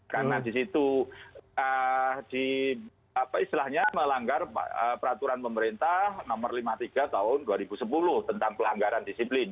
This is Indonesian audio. karena di situ istilahnya melanggar peraturan pemerintah nomor lima puluh tiga tahun dua ribu sepuluh tentang pelanggaran disiplin